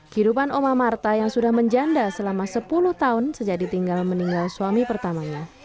kehidupan oma marta yang sudah menjanda selama sepuluh tahun sejak ditinggal meninggal suami pertamanya